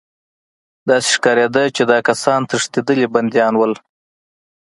داسې ښکارېده چې دا کسان تښتېدلي بندیان وو